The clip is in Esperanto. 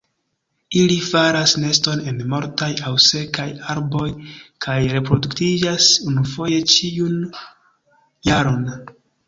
Ili faras neston en mortaj aŭ sekaj arboj kaj reproduktiĝas unufoje ĉiun jaron.